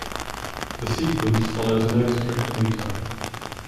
The "Sequence" follows no strict meter.